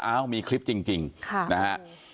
เอ้ามีคลิปจริงนะฮะ